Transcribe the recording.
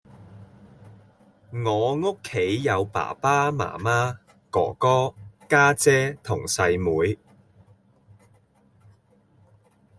我屋企有爸爸媽媽，哥哥，家姐同細妹